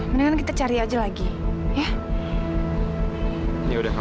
mbak itu punya lara